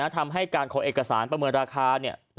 ทำให้การขอเอกสารประเมินราคา